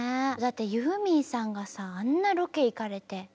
だってユーミンさんがさあんなロケ行かれて。